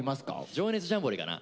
「情熱ジャンボリー」かな。